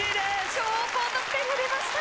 超高得点が出ました！